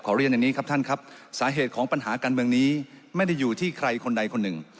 เรียนอย่างนี้ครับท่านครับสาเหตุของปัญหาการเมืองนี้ไม่ได้อยู่ที่ใครคนใดคนหนึ่ง